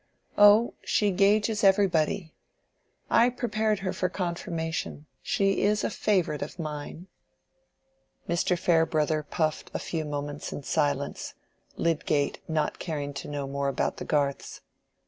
"Oh, she gauges everybody. I prepared her for confirmation—she is a favorite of mine." Mr. Farebrother puffed a few moments in silence, Lydgate not caring to know more about the Garths.